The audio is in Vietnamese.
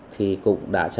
thì cũng đã xảy ra